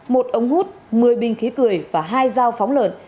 một ống hút một mươi bình khí cười và hai dao phóng lợn